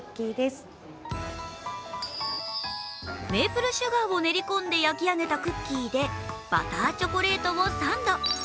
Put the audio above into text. メープルシュガーを練り込んで焼き上げたクッキーでバターチョコレートをサンド。